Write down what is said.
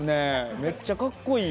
めっちゃかっこいい。